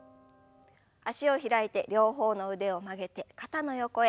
脚を開いて両方の腕を曲げて肩の横へ。